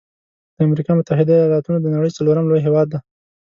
د امريکا متحده ایلاتونو د نړۍ څلورم لوی هیواد دی.